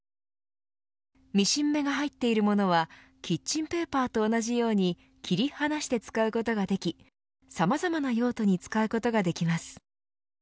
ミシン目が入っているものはキッチンペーパーと同じように切り離して使うことができさまざまな用途に使うことができます。